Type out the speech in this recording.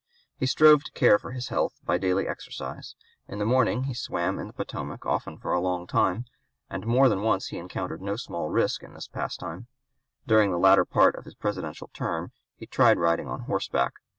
He strove to care for his health by daily exercise. In the morning he swam in the Potomac, often for a long (p. 207) time; and more than once he encountered no small risk in this pastime. During the latter part of his Presidential term he tried riding on horseback.